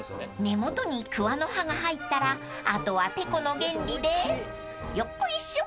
［根元にくわの刃が入ったらあとはてこの原理でよっこいしょ！］